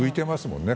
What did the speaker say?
もんね